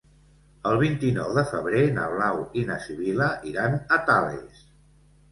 El vint-i-nou de febrer na Blau i na Sibil·la iran a Tales.